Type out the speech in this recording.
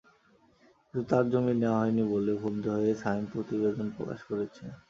কিন্তু তাঁর জমি নেওয়া হয়নি বলে ক্ষুব্ধ হয়ে সায়েম প্রতিবেদন প্রকাশ করেছেন।